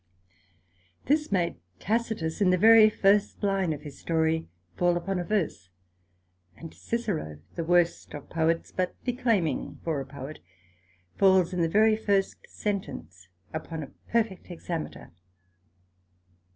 This made Tacitus in the very first line of his Story, fall upon a verse, and Cicero the worst of Poets, but declaiming for a Poet, falls in the very first sentence upon a perfect Hexameter.